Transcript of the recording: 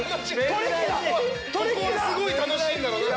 ここはすごい楽しいんだろうな。